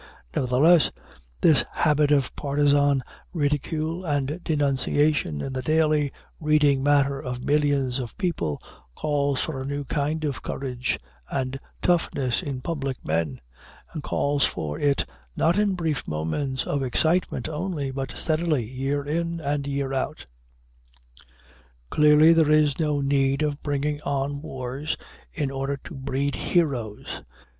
Nevertheless, this habit of partizan ridicule and denunciation in the daily reading matter of millions of people calls for a new kind of courage and toughness in public men, and calls for it, not in brief moments of excitement only, but steadily, year in and year out. Clearly, there is no need of bringing on wars in order to breed heroes.